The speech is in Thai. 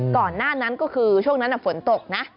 ก่อนหน้านั้นก็คือช่วงนั้นฝนตกนะ